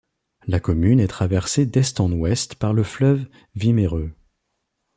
La commune est traversée d'est en ouest par le fleuve Wimereux.